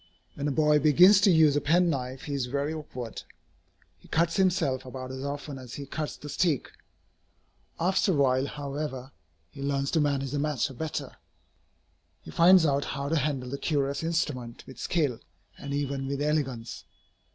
When a boy begins to use a penknife, he is very awkward. He cuts himself about as often as he cuts the stick. After a while, however, he learns to manage the matter better. He finds out how to handle the curious instrument with skill and even with elegance.